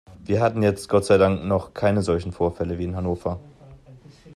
Wir hatten jetzt Gott sei Dank noch keine solchen Vorfälle wie in Hannover.